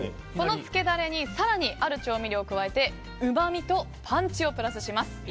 この漬けダレに更にある調味料を加えてうまみとパンチをプラスします。